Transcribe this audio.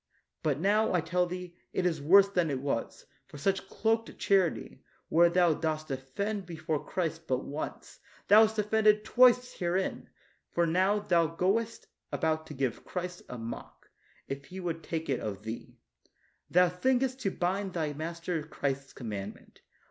But now, I tell thee, it is worse than it was, for by such cloaked charity, where thou dost offend before Christ but once, thou hast offended twice herein ; for now thou goest about to give Christ a mock, if He would take it of thee. Thou thinkest to blind thy master Christ's commandment.